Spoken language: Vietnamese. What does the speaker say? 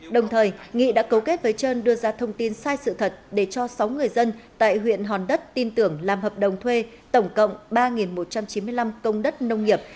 đồng thời nghị đã cấu kết với trơn đưa ra thông tin sai sự thật để cho sáu người dân tại huyện hòn đất tin tưởng làm hợp đồng thuê tổng cộng ba một trăm chín mươi năm công đất nông nghiệp